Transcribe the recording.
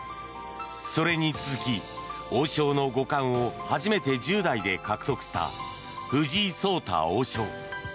それに続き、王将の五冠を初めて１０代で獲得した藤井聡太王将。